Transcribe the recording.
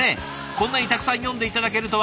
こんなにたくさん詠んで頂けるとは。